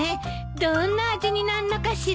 どんな味になんのかしら。